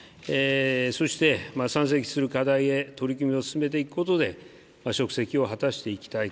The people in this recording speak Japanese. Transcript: そして山積する課題へ取り組みを進めていくことで職責を果たしていきたい。